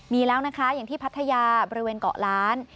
มีแล้วนะคะอย่างที่พัทยาบริเวณเกาะล้าน